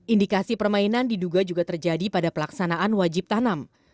indikasi permainan diduga juga terjadi pada pelaksanaan